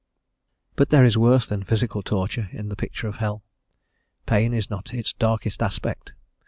But there is worse than physical torture in the picture of hell; pain is not its darkest aspect.